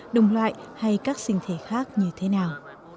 đồng loại hay các sinh thể khác như thế nào